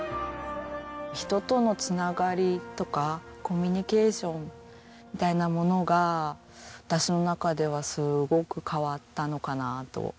人との繋がりとかコミュニケーションみたいなものが私の中ではすごく変わったのかなと。